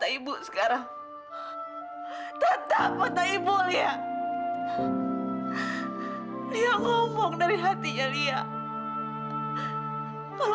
hai raya tetap patah ibu dua ratus tujuh puluh empat corrector